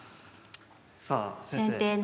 さあ先生